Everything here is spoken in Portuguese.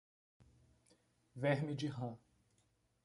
Verme de rã